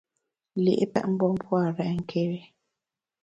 Li’ pèt mgbom-a pua’ renké́ri.